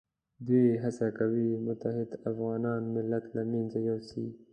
دوی هڅه کوي متحد افغان ملت له منځه یوسي.